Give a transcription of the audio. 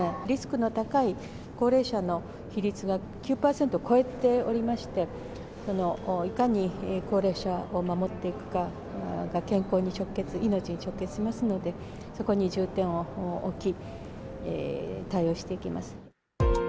リスクの高い高齢者の比率が９％を超えておりまして、いかに高齢者を守っていくかが健康に直結、命に直結しますので、そこに重点を置き、対応していきます。